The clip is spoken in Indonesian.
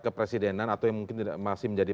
kepresidenan atau yang mungkin masih menjadi